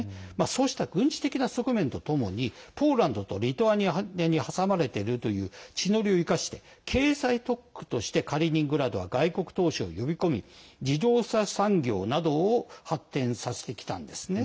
そうした軍事的な側面とともにポーランドとリトアニアの間に挟まれているという地の利を生かして経済特区としてカリーニングラードは外国投資を呼び込み自動車産業などを発展させてきたんですね。